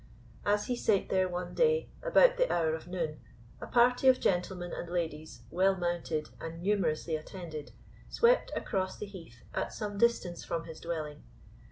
As he sate there one day, about the hour of noon, a party of gentlemen and ladies, well mounted, and numerously attended, swept across the heath at some distance from his dwelling.